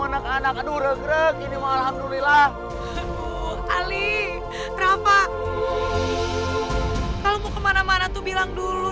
anak anak aduh regrek ini mah alhamdulillah ali kenapa kalau mau kemana mana tuh bilang dulu